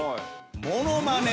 ものまね。